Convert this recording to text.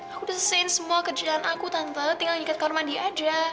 aku udah selesain semua kerjaan aku tante tinggal ikat kamar mandi aja